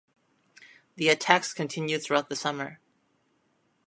The attacks continued throughout the summer.